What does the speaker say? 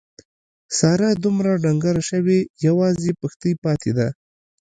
ساره دومره ډنګره شوې یوازې پښتۍ پاتې ده.